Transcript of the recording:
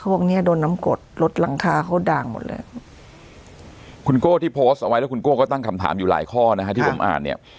พวกเนี้ยโดนน้ำกดรถหลังคาเขาด่างหมดเลยคุณโก้ที่โพสต์เอาไว้แล้วคุณโก้ก็ตั้งคำถามอยู่หลายข้อนะฮะที่ผมอ่านเนี่ย